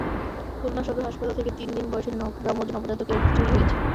খুলনা সদর হাসপাতাল থেকে তিন দিন বয়সী যমজ নবজাতকের একটি চুরি হয়েছে।